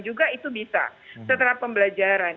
juga itu bisa setelah pembelajaran